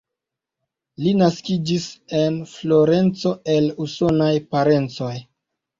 Li naskiĝis en Florenco el usonaj parencoj.